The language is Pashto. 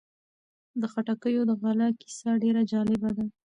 د خټکیو د غله کیسه ډېره جالبه ده.